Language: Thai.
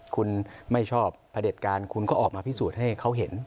คุณไม่ชอบประเด็จการคุณก็ออกมาพิสูจน์ให้เขาเห็น